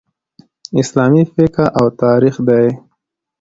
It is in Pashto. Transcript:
اسلامي فقه او تاریخ دئ.